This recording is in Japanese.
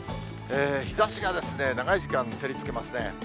日ざしが長い時間照りつけますね。